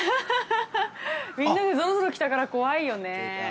みんなでぞろぞろ来たから怖いよね。